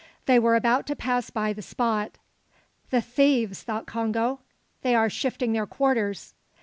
They were about to pass by the spot. "The thieves," thought Congo. "They are shifting their quarters."